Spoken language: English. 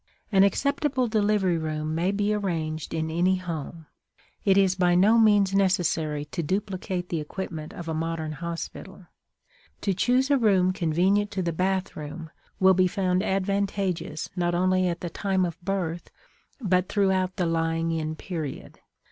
An acceptable delivery room may be arranged in any home; it is by no means necessary to duplicate the equipment of a modern hospital. To choose a room convenient to the bathroom will be found advantageous not only at the time of birth but throughout the lying in period.